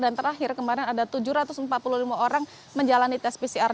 dan terakhir kemarin ada tujuh ratus empat puluh lima orang menjalani tes pcr